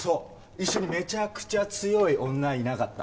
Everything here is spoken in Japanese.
一緒にめちゃくちゃ強い女いなかった？